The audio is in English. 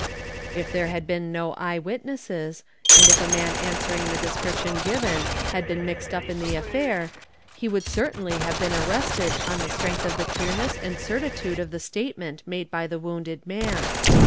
If there had been no eye witnesses, and if a man answering the description given had been mixed up in the affair, he would certainly have been arrested on the strength of the clearness and certitude of the statement made by the wounded man.